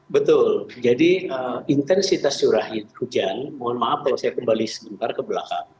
betul jadi intensitas curah hujan mohon maaf kalau saya kembali sebentar ke belakang